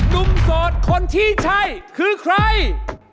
โสดคนที่ใช่คือใคร